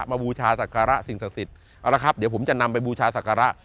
บูชาศักระสิ่งศักดิ์สิทธิ์เอาละครับเดี๋ยวผมจะนำไปบูชาศักระ